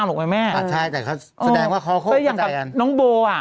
มันเหมือนอ่ะ